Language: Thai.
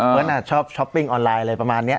เฟิร์ตชอบช้อปปิ้งออนไลน์เลยประมาณนี้